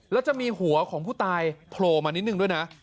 แล้วจะมีหัวของผู้ตายโผล่มานิดนึงด้วยนะ